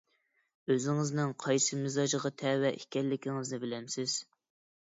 ئۆزىڭىزنىڭ قايسى مىزاجغا تەۋە ئىكەنلىكىڭىزنى بىلەمسىز؟